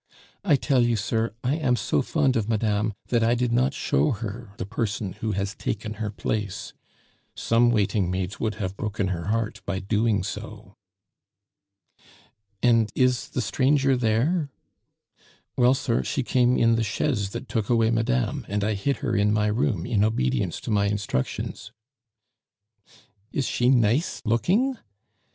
I tell you, sir, I am so fond of madame, that I did not show her the person who has taken her place; some waiting maids would have broken her heart by doing so." "And is the stranger there?" "Well, sir, she came in the chaise that took away madame, and I hid her in my room in obedience to my instructions " "Is she nice looking?"